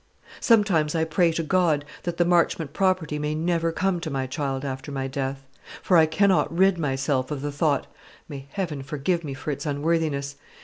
Sometimes I pray to God that the Marchmont property may never come to my child after my death; for I cannot rid myself of the thought may Heaven forgive me for its unworthiness!